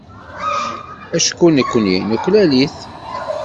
Acku nekkni nuklal-it.